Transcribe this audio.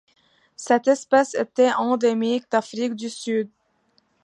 Cette espèce était endémique d'Afrique du Sud.